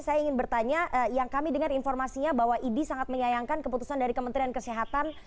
saya ingin bertanya yang kami dengar informasinya bahwa idi sangat menyayangkan keputusan dari kementerian kesehatan